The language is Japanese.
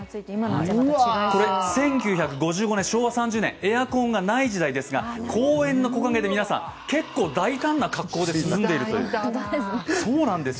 これ、１９５５年、昭和３０年、エアコンがない時代ですが公園の木陰で皆さん、結構大胆な格好で涼んでいるという。